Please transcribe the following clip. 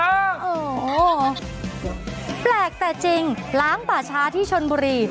โอ้โหแปลกแต่จริงล้างป่าช้าที่ชนบุรี